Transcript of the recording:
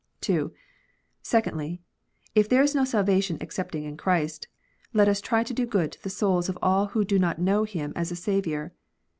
(2) Secondly, if there is no salvation excepting in Christ, let us try to do good to the souls of all who do not know Him as a Saviour.